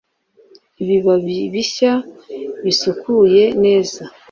ibibabi bishya bisukuye neza